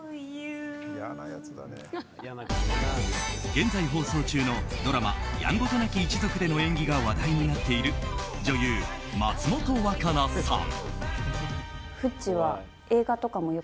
現在放送中のドラマ「やんごとなき一族」での演技が話題になっている女優・松本若菜さん。